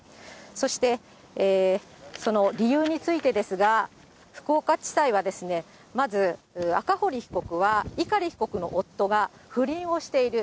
そしてその理由についてですが、福岡地裁は、まず、赤堀被告は碇被告の夫が不倫をしている。